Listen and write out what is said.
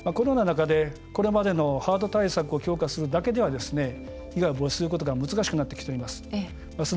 これまでのハード対策を強化するだけでは被害を没することが難しくなってきます。